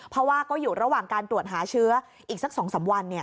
เพราะว่าก็อยู่ระหว่างการตรวจหาเชื้ออีกสัก๒๓วัน